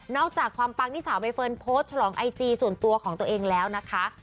อกจากความปังที่สาวใบเฟิร์นโพสต์ฉลองไอจีส่วนตัวของตัวเองแล้วนะคะ